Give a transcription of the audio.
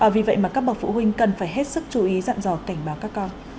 vì vậy mà các bậc phụ huynh cần phải hết sức chú ý dặn dò cảnh báo các con